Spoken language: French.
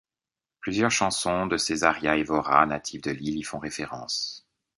Plusieurs chansons de Cesária Évora, native de l'île, y font référence.